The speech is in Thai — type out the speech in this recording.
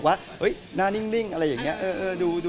เขาถามถึงเรื่องช่องเน็ตค่ะ